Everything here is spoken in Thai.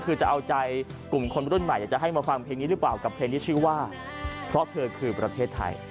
คือจะเอาใจกลุ่มคนรุ่นใหม่อยากจะให้มาฟังเพลงนี้หรือเปล่ากับเพลงที่ชื่อว่าเพราะเธอคือประเทศไทย